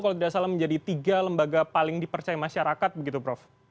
kalau tidak salah menjadi tiga lembaga paling dipercaya masyarakat begitu prof